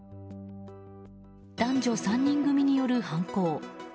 男女３人組による犯行。